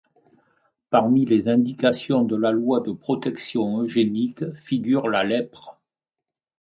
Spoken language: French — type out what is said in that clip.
Parmi les indications de la loi de protection eugénique figure la lèpre.